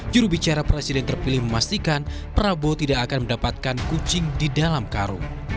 jurubicara presiden terpilih memastikan prabowo tidak akan mendapatkan kucing di dalam karung